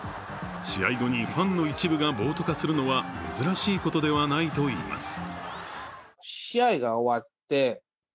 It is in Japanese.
試合後にファンの一部が暴徒化するのは珍しいことではないといいます。